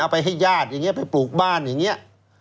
เอาไปให้ญาติไปปลูกบ้านอย่างนี้